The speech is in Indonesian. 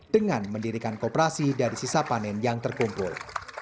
dengan mendirikan kooperasi dari sisa panen yang terkumpul